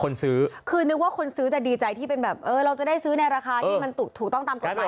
คนซื้อคือนึกว่าคนซื้อจะดีใจที่เป็นแบบเออเราจะได้ซื้อในราคาที่มันถูกต้องตามกฎหมาย